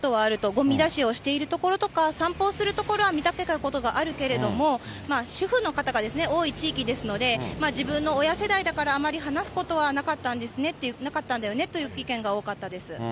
ごみ出しをしているところとか、散歩をするところは見かけたことがあるけれども、主婦の方が多い地域ですので、自分の親世代だから、あまり話すことはなかったんだよねという意見が多かったです。